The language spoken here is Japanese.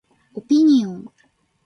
オピニオン